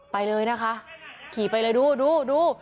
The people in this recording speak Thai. ไปเลยนะคะขี่ไปเลยดูดูดู